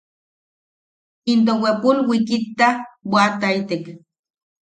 Into wepul wikitta bwaʼataitek.